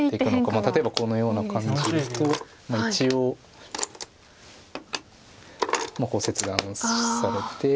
例えばこのような感じですと一応こう切断されて。